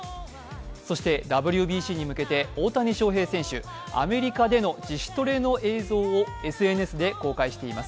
そしてＷＢＣへ向けて大谷翔平選手、アメリカでの自主トレの映像をＳＮＳで公開しています。